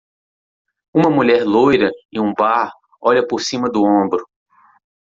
Uma mulher loira em um bar olha por cima do ombro.